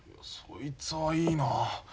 そいつはいいなあ。